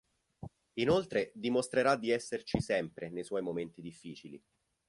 Inoltre dimostrerà di esserci sempre nei suoi momenti difficili.